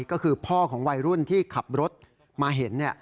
ก็คือพ่อของวัยรุ่นที่ขับรถมาเห็น